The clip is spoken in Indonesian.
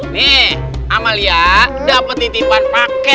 nih amalia dapet titipan paket